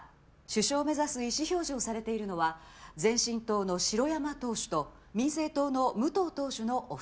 首相を目指す意思表示をされているのは前進党の城山党首と民政党の武藤党首のお二人です。